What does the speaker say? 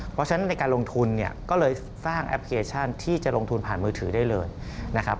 เพราะฉะนั้นในการลงทุนเนี่ยก็เลยสร้างแอปพลิเคชันที่จะลงทุนผ่านมือถือได้เลยนะครับ